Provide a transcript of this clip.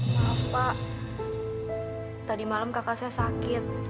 maaf pak tadi malam kakak saya sakit